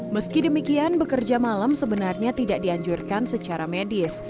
meski demikian bekerja malam sebenarnya tidak dianjurkan secara medis